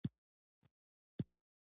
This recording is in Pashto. لېواله وو.